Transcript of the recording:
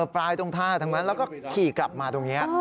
ปลายตรงท่าทางนั้นแล้วก็ขี่กลับมาตรงนี้